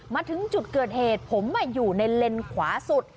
มาถึงจุดเกิดเหตุผมอยู่ในเลนขวาสุด